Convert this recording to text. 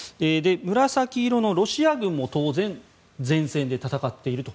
紫色のロシア軍も当然、前線で戦っていると。